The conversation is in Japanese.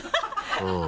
うん。